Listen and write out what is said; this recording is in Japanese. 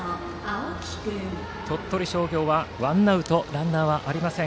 鳥取商業はワンアウトランナーありません。